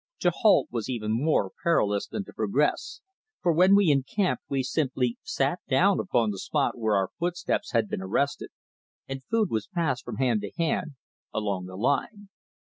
To halt was even more perilous than to progress, for when we encamped we simply sat down upon the spot where our footsteps had been arrested, and food was passed from hand to hand along the line.